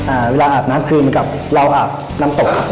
อ่าเวลาอาบน้ำคืนเหมือนกับเราอาบน้ำตกครับ